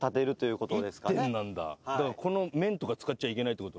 １点なんだこの面とか使っちゃいけないってことね。